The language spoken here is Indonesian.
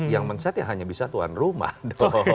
yang menset ya hanya bisa tuan rumah dong